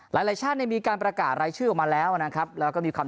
หลายชาติในมีการประกาศรายชื่อมาแล้วนะครับแล้วก็มีความ